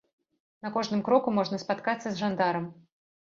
На кожным кроку можна спаткацца з жандарам.